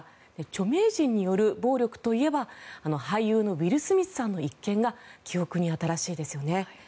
著名人による暴力といえば俳優のウィル・スミスさんの一件が記憶に新しいですよね。